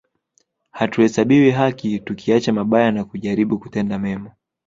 Hatuhesabiwi haki tukiacha mabaya na kujaribu kutenda mema